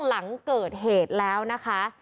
หลังเกิดเหตุแล้วนะคะ